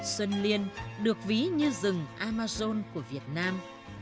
xuân liên được ví như rừng amazon của việt nam